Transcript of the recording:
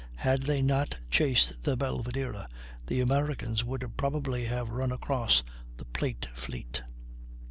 Had they not chased the Belvidera the Americans would probably have run across the plate fleet.